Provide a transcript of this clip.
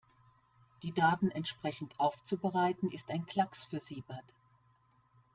Die Daten entsprechend aufzubereiten, ist ein Klacks für Siebert.